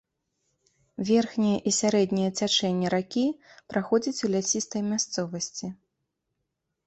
Верхняе і сярэдняе цячэнне ракі праходзіць ў лясістай мясцовасці.